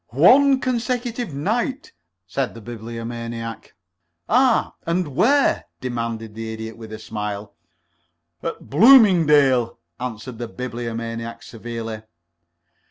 "One consecutive night," said the Bibliomaniac. "Ah and where?" demanded the Idiot, with a smile. "At Bloomingdale," answered the Bibliomaniac, severely.